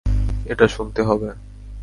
এটা শুনতে হবে!